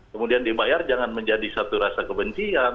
kemudian dibayar jangan menjadi satu rasa kebencian